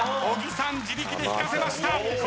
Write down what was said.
小木さん自力で引かせました。